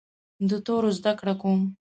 د تورو زده کړه کوم.